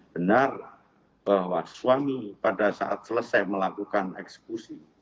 benar bahwa suami pada saat selesai melakukan eksekusi